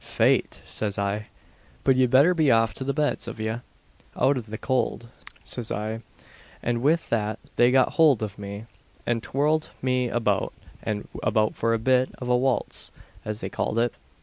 "Fait," says I, "but ye'd better be off to the beds of ye, out of the kould," says I; "and with that they got hould of me, and twirled me about and about for a bit of a waultz, as they called it.